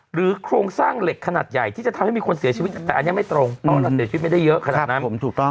โครงสร้างเหล็กขนาดใหญ่ที่จะทำให้มีคนเสียชีวิตแต่อันนี้ไม่ตรงปอดเสียชีวิตไม่ได้เยอะขนาดนั้นถูกต้อง